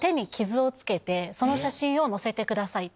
その写真を載せてくださいっていう。